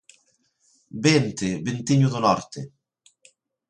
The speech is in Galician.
Vente, ventiño do norte.